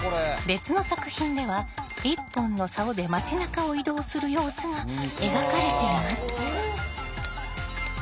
別の作品では１本のさおで町なかを移動する様子が描かれています。